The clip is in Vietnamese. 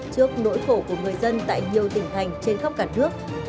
trước nỗi khổ của người dân tại nhiều tỉnh thành trên khắp cả nước